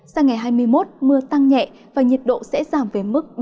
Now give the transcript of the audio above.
sang ngày hai mươi một mưa tăng nhẹ và nhiệt độ sẽ giảm về mức ba mươi một đến ba mươi bốn độ